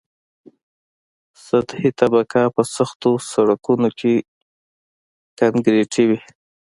سطحي طبقه په سختو سرکونو کې کانکریټي وي